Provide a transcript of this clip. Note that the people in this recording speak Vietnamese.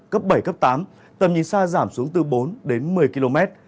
cấp bảy tám tầm nhìn xa giảm xuống từ bốn một mươi km